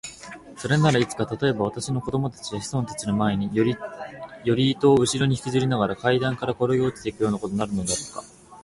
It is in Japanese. それならいつか、たとえば私の子供たちや子孫たちの前に、より糸をうしろにひきずりながら階段からころげ落ちていくようなことになるのだろうか。